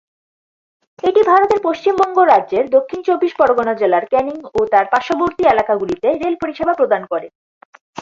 এটি ভারতের পশ্চিমবঙ্গ রাজ্যের দক্ষিণ চব্বিশ পরগনা জেলার ক্যানিং ও তার পার্শ্ববর্তী এলাকাগুলিতে রেল পরিষেবা প্রদান করে।